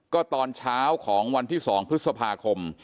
ก็ตอนเช้าของวันที่๒พฤษภาคม